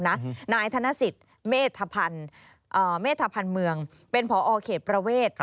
นายธนสิทธิ์เมธภัณฑ์เมืองเป็นพอเขตประเวท